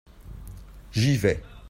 J'y vais.